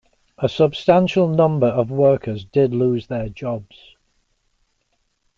A substantial number of workers did lose their jobs.